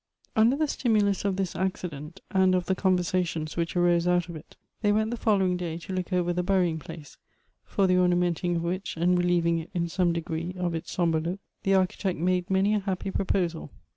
UNDER the stimulus of this accident, and of the con versations which arose out of it, they went the fol lowing day to look over the burying place, for the orna menting of which and relieving it in some degree of its sombre look, the architect made many a happy proposal.